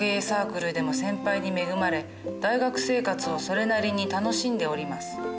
サークルでも先輩に恵まれ大学生活をそれなりに楽しんでおります。